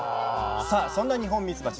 そんなニホンミツバチ